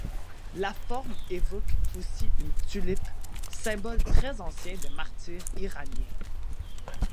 La forme évoque aussi une tulipe, symbole très ancien des martyrs iraniens.